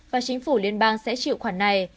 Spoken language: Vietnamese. và chính phủ liên bang sẽ chịu khoản này